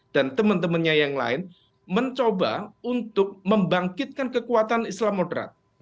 dan teman temannya yang lain mencoba untuk membangkitkan kekuatan islam moderat